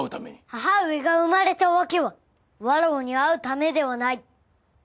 母上が生まれた訳は「わらわに会うため」ではない。